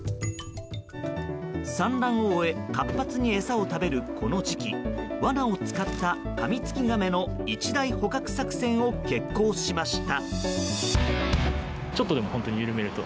産卵を終え活発に餌を食べる、この時期わなを使ったカミツキガメの一大捕獲作戦を決行しました。